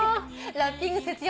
ラッピング節約。